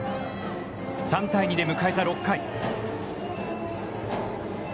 ３対２で迎えた６回。